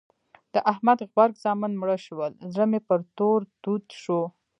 د احمد غبرګ زامن مړه شول؛ زړه مې پر تور دود شو.